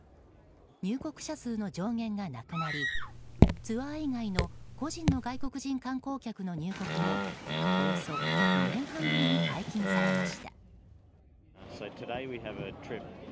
入国者数の上限がなくなりツアー以外の個人の外国人観光客の入国もおよそ２年半ぶりに解禁されました。